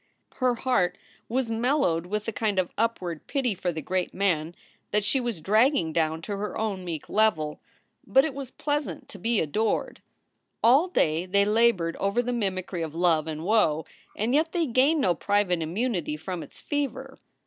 Her heart was mellowed with a kind of upward pity for the great man that she was dragging down to her own meek level. But it was pleasant to be adored. All day they labored over the mimicry of love and woe, and yet they gained no private immunity from its fever.